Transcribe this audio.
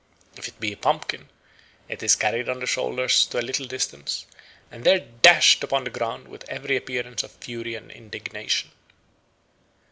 If it be a pumpkin, it is carried on the shoulders to a little distance, and there dashed upon the ground with every appearance of fury and indignation."